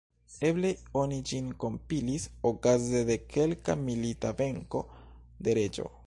Eble oni ĝin kompilis okaze de kelka milita venko de reĝo.